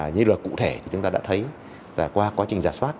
như lời cụ thể chúng ta đã thấy là qua quá trình giả soát